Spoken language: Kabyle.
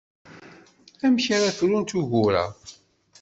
Amek ara frunt ugur-a?